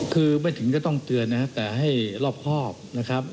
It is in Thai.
คือไม่ถึงก็ต้องเตือนนะครับแต่ให้รอบครอบนะครับ